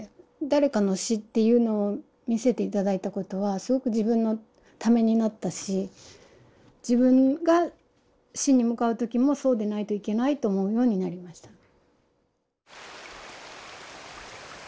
誰かの死っていうのを見せて頂いたことはすごく自分のためになったし自分が死に向かう時もそうでないといけないと思うようになりましたね。